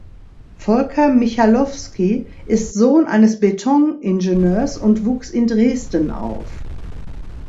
Volker Michalowski ist Sohn eines Beton-Ingenieurs und wuchs in Dresden auf.